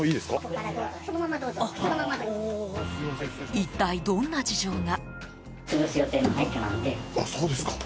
一体、どんな事情が。